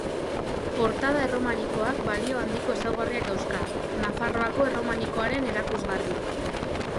Portada erromanikoak balio handiko ezaugarriak dauzka, Nafarroako erromanikoaren erakusgarri.